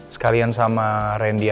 sekalian sama sama ya